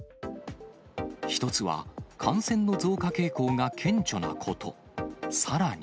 一つは感染の増加傾向が顕著なこと。